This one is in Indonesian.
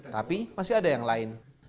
tapi masih ada yang lain